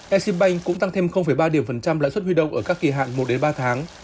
ec bank cũng tăng thêm ba lãi suất huy động ở các kỳ hạn một ba tháng